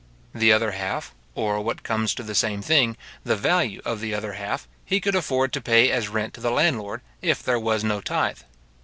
The other half, or, what comes to the same thing, the value of the other half, he could afford to pay as rent to the landlord, if there was no tythe.